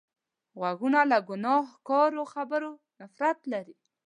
غوږونه له ګناهکارو خبرو نفرت لري